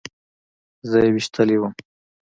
زه يې ويشتلى وم.